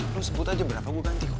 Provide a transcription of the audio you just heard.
lo sebut aja berapa gue ganti kok